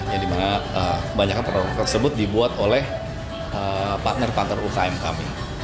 yang dimana kebanyakan produk tersebut dibuat oleh partner partner ukm kami